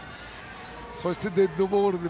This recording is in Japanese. そしてデッドボールで。